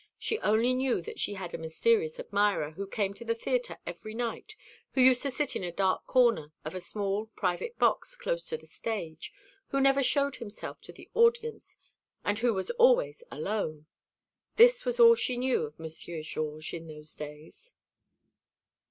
She only knew that she had a mysterious admirer, who came to the theatre every night, who used to sit in a dark corner of a small private box close to the stage, who never showed himself to the audience, and who was always alone. This was all she knew of Monsieur Georges in those days."